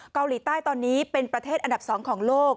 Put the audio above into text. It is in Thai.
เกาหลีใต้ตอนนี้เป็นประเทศอันดับ๒ของโลก